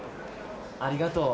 ありがとう。